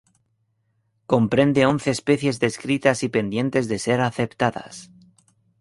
Comprende once especies descritas y pendientes de ser aceptadas.